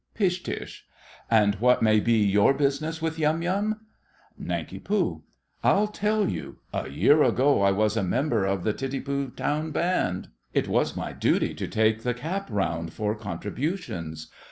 PISH. And what may be your business with Yum Yum? NANK. I'll tell you. A year ago I was a member of the Titipu town band. It was my duty to take the cap round for contributions.